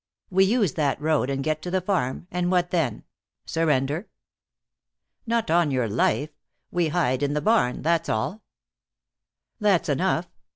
"We use that road, and get to the farm, and what then? Surrender?" "Not on your life. We hide in the barn. That's all." "That's enough.